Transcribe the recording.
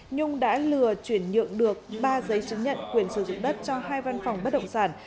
nhung đã lừa chuyển nhượng được ba giấy chứng nhận quyền sử dụng đất cho hai văn phòng bất động sản